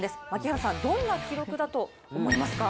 槙原さん、どんな記録だと思いますか？